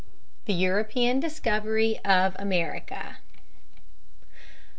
The European Discovery of America.